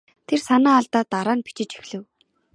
Тэр санаа алдаад дараа нь бичиж эхлэв.